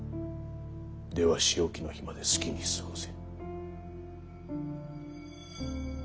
では仕置きの日まで好きに過ごせ。